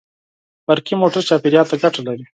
برقي موټر چاپېریال ته ګټه لري.